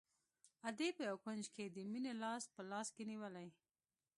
ادې په يوه کونج کښې د مينې لاس په لاس کښې نيولى.